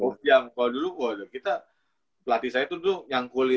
kalau dulu kita latihan saya tuh dulu